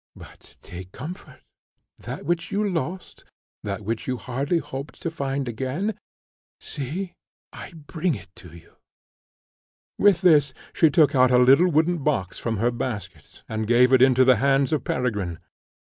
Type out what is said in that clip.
But, take comfort. That which you lost, that which you hardly hoped to find again, see, I bring it to you." With this she took out a little wooden box from her basket, and gave it into the hands of Peregrine.